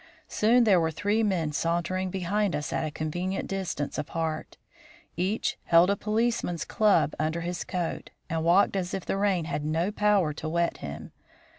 Soon there were three men sauntering behind us at a convenient distance apart. Each held a policeman's club under his coat; and walked as if the rain had no power to wet him.